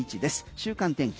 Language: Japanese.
週間天気。